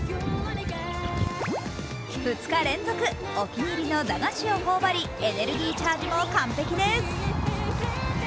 ２日連続のお気に入りの駄菓子を頬ばり、エネルギーチャージも完璧です。